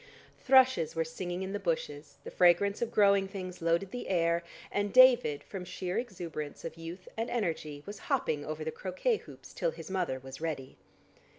Thrushes were singing in the bushes, the fragrance of growing things loaded the air, and David from sheer exuberance of youth and energy was hopping over the croquet hoops till his mother was ready.